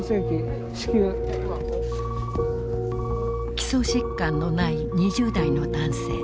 基礎疾患のない２０代の男性。